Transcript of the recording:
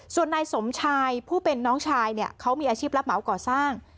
ส่วนนายสมชายผู้เป็นน้องชายเนี่ยเขามีอาชีพรับเหมาก่อสร้าง